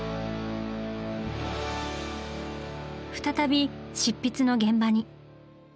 再び執筆の現場に。